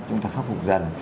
chúng ta khắc phục dần